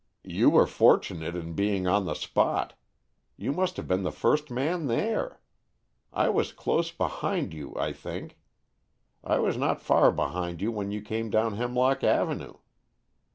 "You were fortunate in being on the spot. You must have been the first man there. I was close behind you, I think. I was not far behind you when you came down Hemlock Avenue."